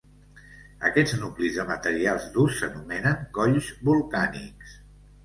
Aquests nuclis de materials durs s'anomenen colls volcànics.